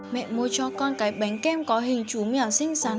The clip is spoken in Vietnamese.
mẹ mua cho con cái bánh kem có hình chú mèo xinh xắn con số một mươi tròn chỉnh lấp lánh